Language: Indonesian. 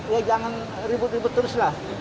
ya jangan ribut ribut terus lah